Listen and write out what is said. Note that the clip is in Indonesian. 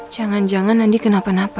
jangan jangan nanti kenapa napa